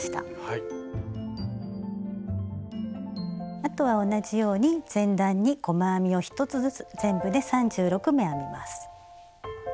あとは同じように前段に細編みを１つずつ全部で３６目編みます。